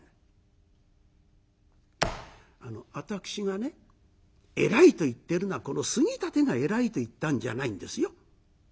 あの私がねえらいと言ってるのはこの杉立がえらいと言ったんじゃないんですよ。